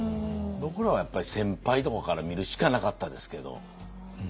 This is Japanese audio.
僕らはやっぱり先輩とかから見るしかなかったですけど。